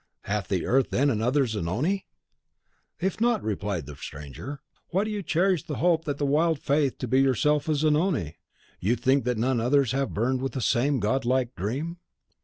"Hath the earth, then, another Zanoni?" "If not," replied the stranger, "why do you cherish the hope and the wild faith to be yourself a Zanoni? Think you that none others have burned with the same godlike dream?